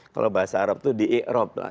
kalau bahasa arab tuh di erop lah